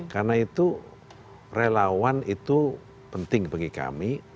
karena itu relawan itu penting bagi kami